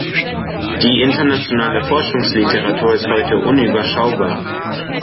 Die internationale Forschungsliteratur ist heute unüberschaubar.